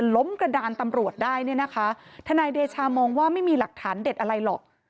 กระดานตำรวจได้เนี่ยนะคะทนายเดชามองว่าไม่มีหลักฐานเด็ดอะไรหรอก